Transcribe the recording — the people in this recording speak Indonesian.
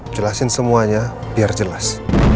jelasin semuanya biar jelas